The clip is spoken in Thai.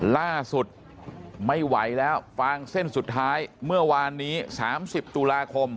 ล่าสุดไม่ไหวแล้วฟางเส้นสุดท้ายเมื่อวานนี้๓๐ตุลาคม